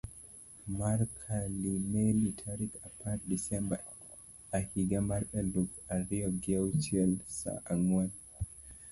mar Kalimeli tarik apar desemba ahiga mar aluf ariyo gi auchiel sa ang'wen